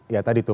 ya tadi tuh